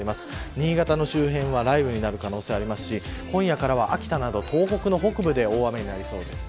新潟の周辺は雷雨になる可能性がありますし今夜からは秋田など東北の北部で大雨になりそうです。